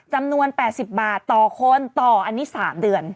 จำนวน๘๐บาทต่อคนต่ออันนี้๓เดือน